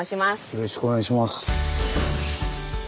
よろしくお願いします。